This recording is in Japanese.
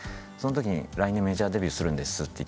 そのときに「来年メジャーデビューするんです」